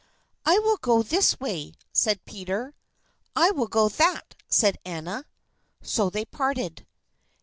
"I will go this way," said Peter. "I will go that," said Anna. So they parted.